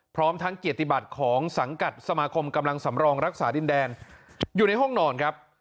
พร้อมทั้งเกียรติบัติของสังกัดสมาคมกำลังสำรองรักษาดินแดนอยู่ในห้องนอนครับ